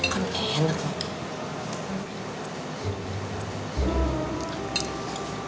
kan enak mak